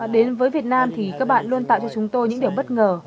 đến với việt nam thì các bạn luôn tạo cho chúng tôi những điều bất ngờ